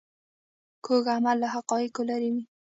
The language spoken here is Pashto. کوږ عمل له حقایقو لیرې وي